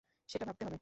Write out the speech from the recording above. সেটা ভাবতে হবে।